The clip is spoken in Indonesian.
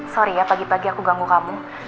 sorry ya pagi pagi aku ganggu kamu